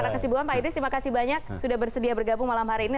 karena kesibuan pak idris terima kasih banyak sudah bersedia bergabung malam hari ini